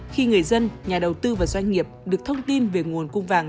khi người dân nhà đầu tư và doanh nghiệp được thông tin về nguồn cung vàng